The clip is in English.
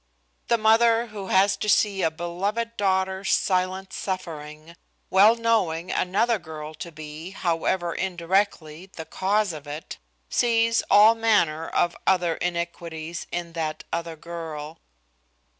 The mother who has to see a beloved daughter's silent suffering, well knowing another girl to be, however indirectly, the cause of it, sees all manner of other iniquities in that other girl.